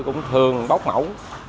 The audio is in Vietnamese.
cũng thường bóc mẫu